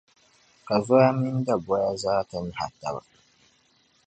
ka zoya mini daboya zaa ti nahi taba.